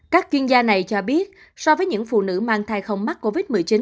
các chuyên gia này cho biết so với những phụ nữ mang thai không mắc covid một mươi chín